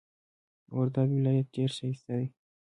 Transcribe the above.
وردک ولایت ډیر ښایسته دی.